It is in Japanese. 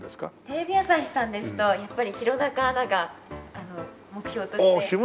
テレビ朝日さんですとやっぱり弘中アナが目標として。